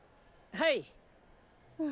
はい。